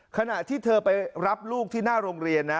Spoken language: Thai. ขณะที่เธอไปรับลูกที่หน้าโรงเรียนนะ